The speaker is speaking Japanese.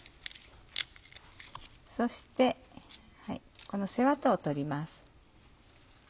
そしてこの背ワタを取ります。